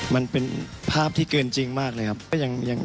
มันเป็นภาพที่เกินจริงมากเลยครับ